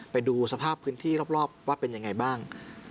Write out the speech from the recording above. ไปดูสภาพพื้นที่รอบว่าเป็นยังไงบ้าง